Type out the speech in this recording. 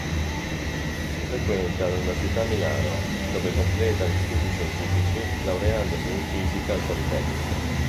Frequenta l'Università a Milano, dove completa gli studi scientifici laureandosi in Fisica al Politecnico.